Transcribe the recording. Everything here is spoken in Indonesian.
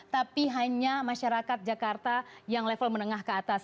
tapi hanya masyarakat jakarta yang level menengah ke atas